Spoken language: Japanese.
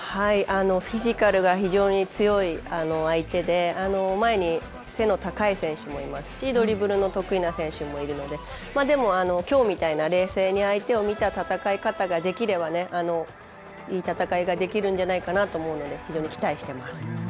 フィジカルが非常に強い相手で前に背の高い選手もいますしドリブルの得意な選手もいるのできょうみたいな冷静に相手を見た戦いができればいい戦いができるのではないかと期待しています。